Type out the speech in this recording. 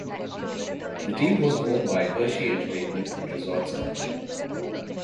The team was owned by Hershey Entertainment and Resorts Company.